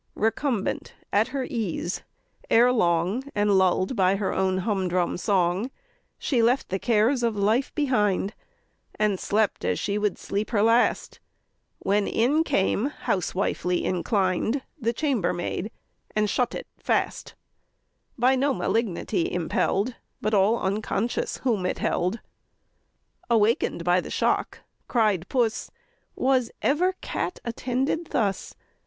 Recumbent at her ease, ere long, And lull'd by her own humdrum song, She left the cares of life behind, And slept as she would sleep her last, When in came, housewifely inclined, The chambermaid, and shut it fast; By no malignity impell'd, But all unconscious whom it held. Awaken'd by the shock (cried Puss) "Was ever cat attended thus?